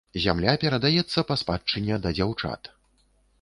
Зямля перадаецца па спадчыне да дзяўчат.